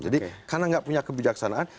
jadi karena nggak punya kebijaksanaan